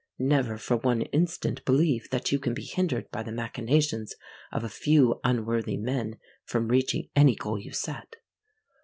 Never for one instant believe that you can be hindered by the machinations of a few unworthy men, from reaching any goal you set.